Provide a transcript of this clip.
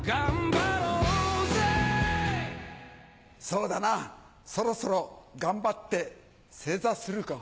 そうだなそろそろ頑張って正座するか。